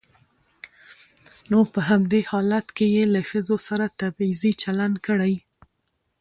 نو په همدې حالت کې يې له ښځو سره تبعيضي چلن کړى.